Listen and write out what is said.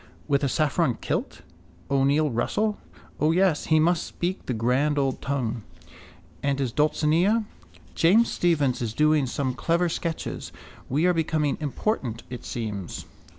With a saffron kilt? O'Neill Russell? O, yes, he must speak the grand old tongue. And his Dulcinea? James Stephens is doing some clever sketches. We are becoming important, it seems.